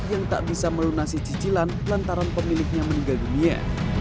yang tak bisa melunasi cicilan lantaran pemiliknya meninggal dunia